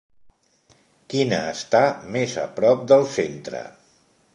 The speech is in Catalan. Quina està més a prop del centre?